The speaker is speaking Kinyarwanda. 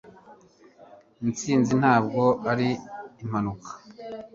intsinzi ntabwo ari impanuka